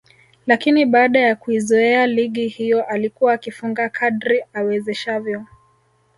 lakini baada ya kuizoea ligi hiyo alikuwa akifunga kadri awezeshavyo